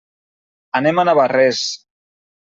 Anem a Navarrés.